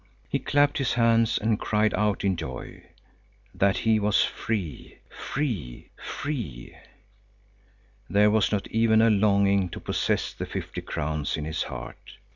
He clapped his hands and cried out in joy—that he was free, free, free! There was not even a longing to possess the fifty crowns in his heart.